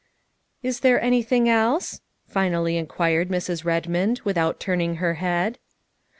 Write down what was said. " Is there anything else?" finally inquired Mrs. Red mond without turning her head.